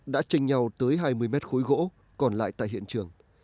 đã tranh nhau tới hai mươi mét khối gỗ còn lại tại hiện trường